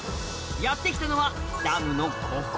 やって来たのはダムのここ！